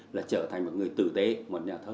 là trở thành một người tử tế một nhà thơ